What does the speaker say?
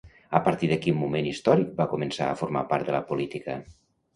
A partir de quin moment històric va començar a formar part de la política?